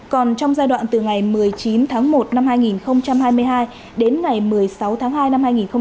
còn trong giai đoạn từ ngày một mươi chín tháng một năm hai nghìn hai mươi hai đến ngày một mươi sáu tháng hai năm hai nghìn hai mươi ba